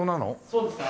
そうですね